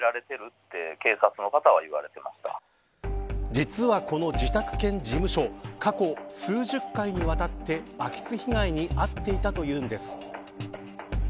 実はこの自宅兼事務所過去数十回にわたって空き巣被害に遭っていたというのです。